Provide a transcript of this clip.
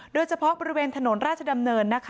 โดยเฉพาะบริเวณถนนราชดำเนิน